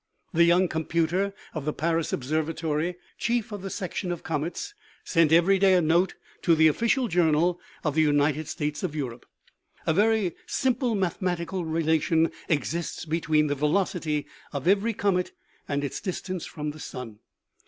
The young computer of the Paris observatory, chief of the section of comets, sent every day a note to the official journal of the United States of Europe. A very simple mathematical relation exists between the velocity of every comet and its distance from the sun.